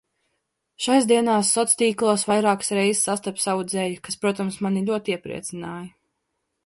Šais dienās soc. tīklos vairākas reizes sastapu savu dzeju, kas, protams, mani ļoti iepriecināja.